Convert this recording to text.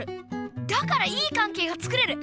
だからいい関係がつくれる！